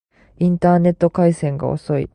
インターネット回線が遅い